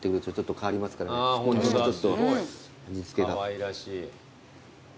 かわいらしい。